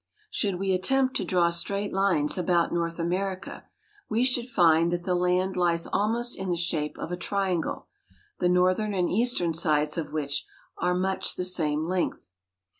Should we attempt to draw straight lines about North America, we should find that the land lies almost in the shape of a triangle, the northern and eastern sides of which are of much the same length.